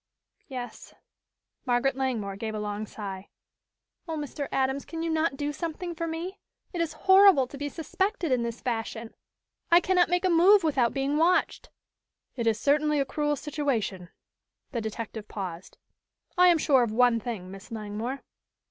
"Yes." Margaret Langmore gave a long sigh. "Oh, Mr. Adams, can you not do something for me? It is horrible to be suspected in this fashion. I cannot make a move without being watched!" "It is certainly a cruel situation." The detective paused. "I am sure of one thing, Miss Langmore."